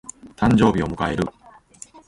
誕生日を迎える。